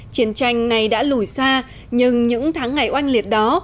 chiến tranh này đã lùi xa nhưng những tháng ngày oanh liệt đó